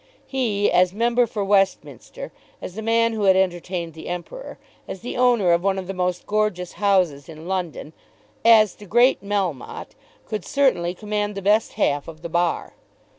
He, as member for Westminster, as the man who had entertained the Emperor, as the owner of one of the most gorgeous houses in London, as the great Melmotte, could certainly command the best half of the bar.